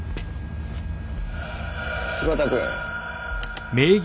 柴田君。